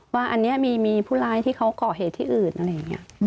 ว่าอันนี้มีผู้ร้ายที่เขาก่อเหตุที่อื่นอะไรอย่างนี้